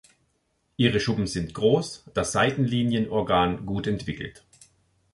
Ihre Schuppen sind groß, das Seitenlinienorgan gut entwickelt.